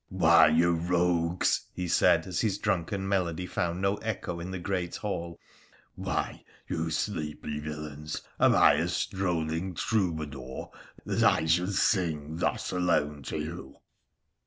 1 Why, you rogues !' he said, as his drunken melody found no echo in the great hall —' why, you sleepy villains ! am I a strolling troubadour that I should sing thus alone to you